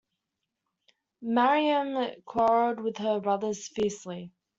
Miriam quarrelled with her brothers fiercely.